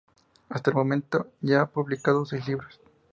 Hasta el momento ya ha publicado seis libros.